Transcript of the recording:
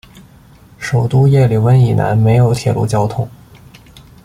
首都叶里温以南没有铁路交通。